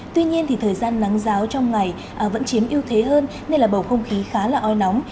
tuy nhiên thì thời gian nắng giáo trong ngày vẫn chiếm ưu thế hơn nên là bầu không khí khá là oi nóng